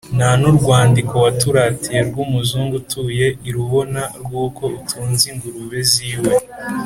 Nta n'urwandiko waturatiye Rw'Umuzungu utuye i Rubona Rw'ukwo utunze ingurube z'iwe,